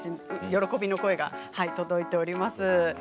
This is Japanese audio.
喜びの声が届いております。